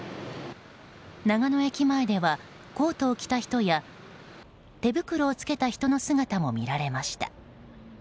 長野駅前では、コートを着た人や手袋を着けた人の姿も見られました。